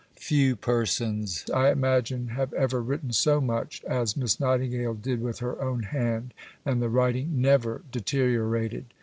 Few persons, I imagine, have ever written so much as Miss Nightingale did with her own hand, and the writing never deteriorated.